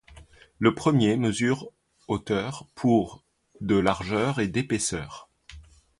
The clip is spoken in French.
Le premier mesure hauteur pour de largeur et d'épaisseur.